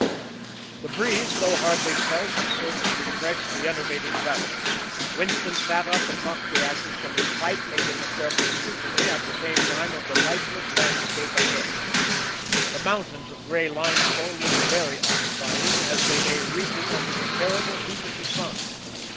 The breeze, although hardly felt, served to refresh the enervated travelers. Winston sat up and knocked the ashes from his pipe, making a careful scrutiny at the same time of the lifeless landscape ahead. The mountains of gray limestone looked very uninviting as they lay reeking under the terrible heat of the sun.